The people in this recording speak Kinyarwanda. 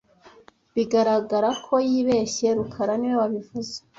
Bigaragara ko yibeshye rukara niwe wabivuze